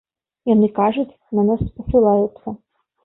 Яны кажуць, на нас спасылаюцца.